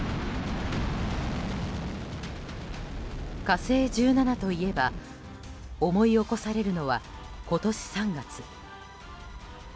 「火星１７」といえば思い起こされるのは今年３月。